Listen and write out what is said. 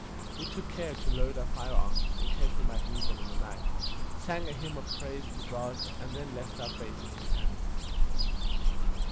We took care to load our fire arms, in case we might need them in the night; sang a hymn of praise to God, and then left our fate in His hands.